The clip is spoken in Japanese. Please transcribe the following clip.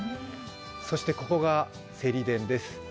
そしてここがセリ田です。